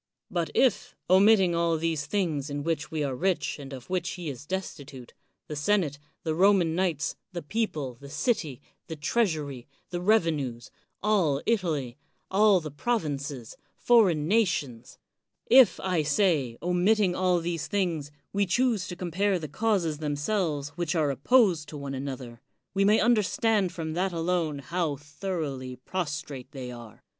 But if, omitting all these things in which we are rich and of which he is destitute, the senate, the Roman knights, the people, the city, the treasury, the revenues, all Italy, all the provinces, foreign nations, — ^if , I say, omitting all 127 THE WORLD'S FAMOUS ORATIONS these things, we choose to compare the canses themselves which are opposed to one another, we may understand from that alone how thoroughly prostrate they are.